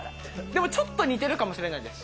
でもちょっと似てるかもしれないです。